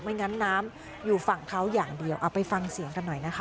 งั้นน้ำอยู่ฝั่งเขาอย่างเดียวเอาไปฟังเสียงกันหน่อยนะคะ